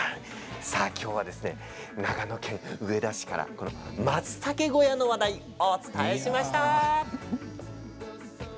さあ、今日は長野県上田市からまつたけ小屋の話題お伝えしました。